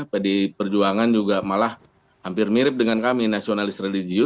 pdi perjuangan juga malah hampir mirip dengan kami nasionalis religius